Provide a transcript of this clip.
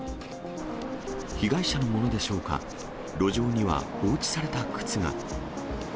被害者のものでしょうか、路上には放置された靴が。